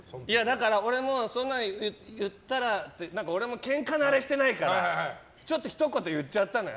だから俺も言ったらケンカ慣れしてないからちょっとひと言言っちゃったのよ。